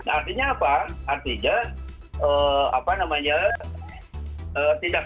artinya apa artinya